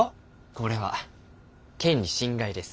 これは権利侵害です。